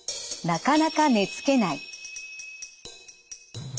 なかなか寝つけない。